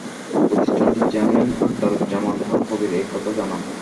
প্রতিষ্ঠানটির চেয়ারম্যান আখতারুজ জামান খান কবির এ কথা জানান।